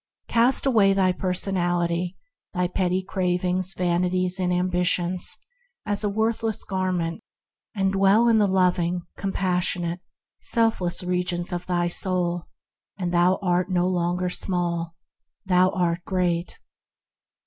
Cast away thy personality, thy pretty cravings, vanities, and ambitions, as a worthless garment, and dwell in the loving, com passionate, selfless regions of thy soul, and thou art no longer small — thou art great.